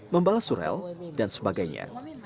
membalas surel dan sebagainya